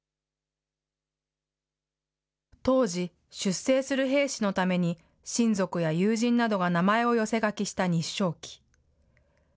当時、出征する兵士のために、親族や友人などが名前を寄せ書きした日章旗。